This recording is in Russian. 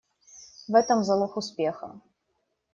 В этом залог успеха.